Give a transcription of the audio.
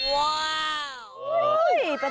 วาวขอบคุณกับชิคกี้พาย